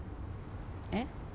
えっ？